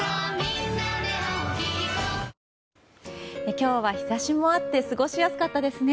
今日は日差しもあって過ごしやすかったですね。